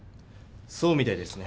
そうみたいですね。